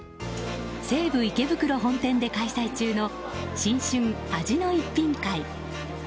西武池袋本店で開催中の新春味の逸品会。